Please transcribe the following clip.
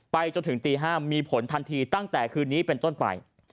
จนถึงตี๕มีผลทันทีตั้งแต่คืนนี้เป็นต้นไป